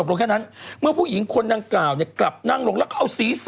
ต่อเนื่องปังเพราะว่าอะไร